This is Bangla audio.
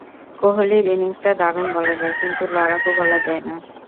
কোহলির ইনিংসটা দারুণ বলা যায়, কিন্তু লড়াকু বলা যায় না।